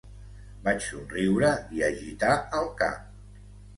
Vaig somriure i agitar el cap.